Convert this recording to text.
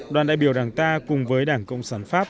đoàn đại biểu đảng ta cùng với đảng cộng sản pháp